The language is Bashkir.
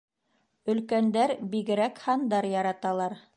Өлкәндәр бигерәк һандар яраталар.